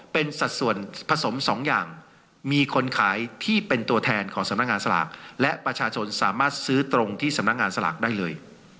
เป็นสัดส่วนผสมสองอย่างมีคนขายที่เป็นตัวแทนของสำนักงานสลากและประชาชนสามารถซื้อตรงที่สำนักงานสลากได้เลย